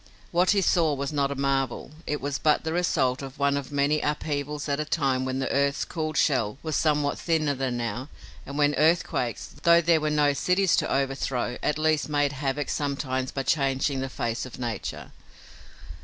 What he saw was not a marvel. It was but the result of one of many upheavals at a time when the earth's cooled shell was somewhat thinner than now and when earthquakes, though there were no cities to overthrow, at least made havoc sometimes by changing the face of nature.